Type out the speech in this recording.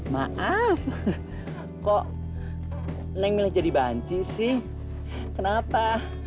maaf kok neng milih jadi bancis sih kenapa